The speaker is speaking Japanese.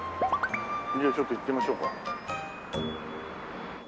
じゃあちょっと行ってみましょうか。